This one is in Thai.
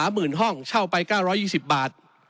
หมื่นห้องเช่าไป๙๒๐บาท